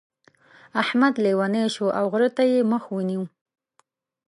احمد لېونی شو او غره ته يې مخ ونيو.